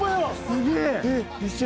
すげえ！